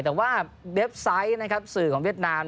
แต่ว่าเว็บไซต์นะครับสื่อของเวียดนาม